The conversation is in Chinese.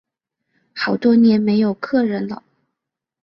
好多年没有客人了